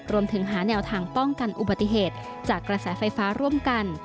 รวมถึงหาแนวทางป้องกันอุบัติเหตุจากกระแสไฟฟ้าร่วมกัน